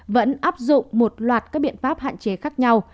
vẫn áp dụng một loạt các biện pháp hạn chế khác nhau